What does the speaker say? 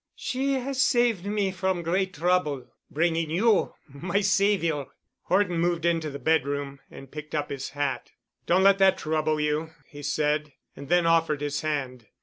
"She has saved me from great trouble, bringing you, my savior——" Horton moved into the bed room and picked up his hat. "Don't let that trouble you," he said, and then offered his hand.